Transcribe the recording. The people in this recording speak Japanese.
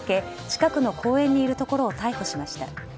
近くの公園にいるところを逮捕しました。